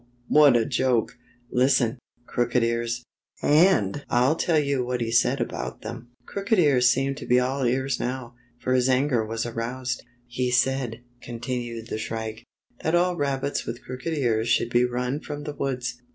What a joke! Listen, Crooked Ears, and I'll tell you what he said about them." Crooked Ears seemed to be all ears now, for his anger was aroused. "He said," continued the Shrike, "that all rabbits with crooked ears should be run from the woods.